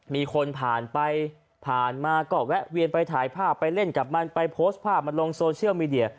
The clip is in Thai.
มีคนผ่านไปผ่านมาก็แวะเวียนไปถ่ายภาพไปเล่นกับมันไปโพสต์ภาพมันลงโซเชียลมีเดีย